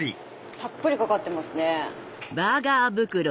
たっぷりかかってますね。